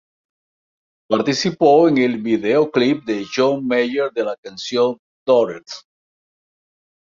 Participó en el videoclip de John Mayer de la canción "Daughters".